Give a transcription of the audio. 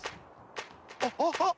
あっ。